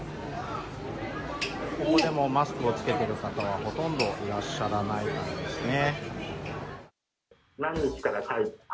ここでもマスクをつけている方はほとんどいらっしゃらない感じですね。